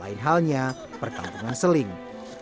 lain halnya perkampungan seling